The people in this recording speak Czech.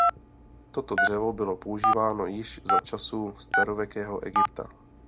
Toto dřevo bylo používáno již za časů Starověkého Egypta.